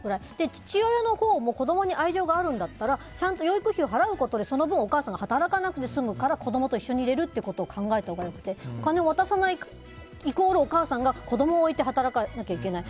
父親のほうも子供に愛情があるんだったらちゃんと養育費を払うことでその分、お母さんが働かなくて済むから子供と一緒にいられるって考えたほうがよくてお金を渡さないイコールお母さんが子供を置いて働かないといけない。